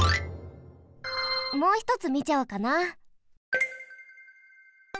もうひとつみちゃおうかな。